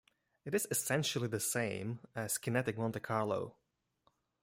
It is essentially the same as Kinetic Monte Carlo.